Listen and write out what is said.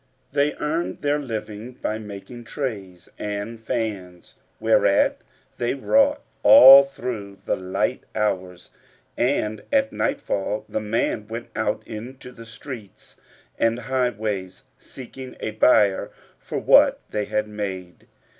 They earned their living by making trays[FN#474] and fans, whereat they wrought all through the light hours; and, at nightfall, the man went out into the streets and highways seeking a buyer for what they had made.